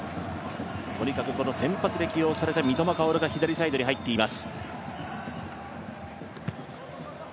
とにかくこの先発で起用された三笘薫が左サイドに入っています。